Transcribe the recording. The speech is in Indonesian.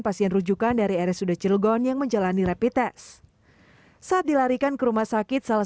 pasien rujukan dari rs sudah cilgon yang menjalani repit tes saat dilarikan ke rumah sakit salah